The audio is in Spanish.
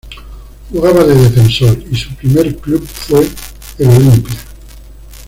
Jugaba de defensor y su primer club fue el Olimpia.